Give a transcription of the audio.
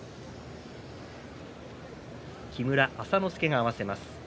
木村朝之助が合わせます。